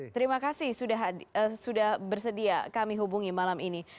terima kasih sudah bersedia kami hubungi malam ini